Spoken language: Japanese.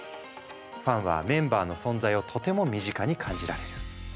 ファンはメンバーの存在をとても身近に感じられる。